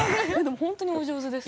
本当にお上手です。